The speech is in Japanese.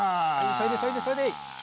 急いで急いで急いで！